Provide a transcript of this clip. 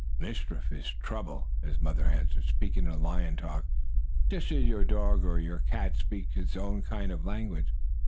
"Mischief is trouble," his mother answered, speaking in lion talk, just as your dog or your cat speaks its own kind of language.